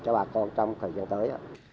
cho bà con trong thời gian tới ạ